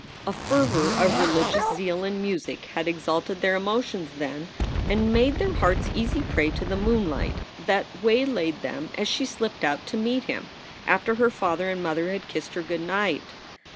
A fervor of religious zeal and music had exalted their emotions then and made their hearts easy prey to the moon light that waylaid them as she slipped out to meet him after her father and mother had kissed her good night.